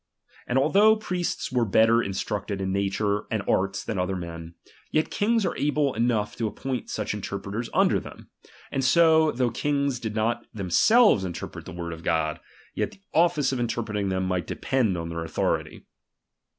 And altliough priests were bet ter instructed in nature and arts than other men, yet kings are able enough to appomt such inter preters under them ; and so, though kings did not themselves interpret the word of God, yet the office of interpreting them might depend on their authority.